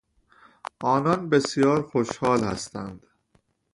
آنان بسیار خوشحال هستند.